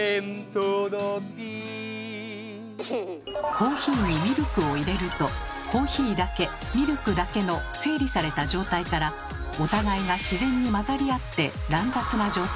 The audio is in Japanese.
コーヒーにミルクを入れるとコーヒーだけミルクだけの整理された状態からお互いが自然に混ざり合って乱雑な状態